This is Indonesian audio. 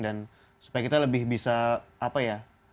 dan supaya kita lebih bisa apa ya